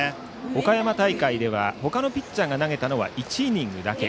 岡山大会では他のピッチャーが投げたのは１イニングだけ。